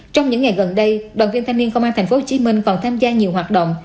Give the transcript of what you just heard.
trong những ngày gần đây đoàn viên thanh niên công an thành phố hồ chí minh còn tham gia nhiều hoạt động